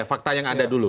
fakta yang ada dulu